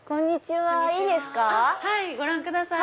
はいご覧ください。